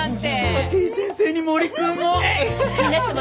武井先生に森くんも！